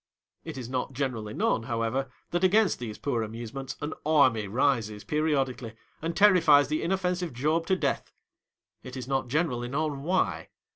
It is not generally known, however, that against these poor amusements, an army rises periodically and terrifies the inoifensive Job to death. It is not generally known why.